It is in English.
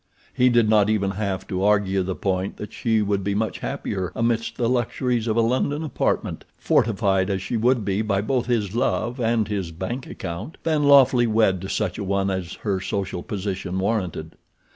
He did not even have to argue the point that she would be much happier amidst the luxuries of a London apartment, fortified as she would be by both his love and his bank account, than lawfully wed to such a one as her social position warranted.